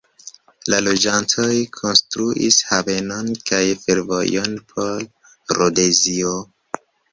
La loĝantoj konstruis havenon kaj fervojon por Rodezio.